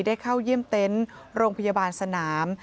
เข้าเยี่ยมเต็นต์โรงพยาบาลสนาม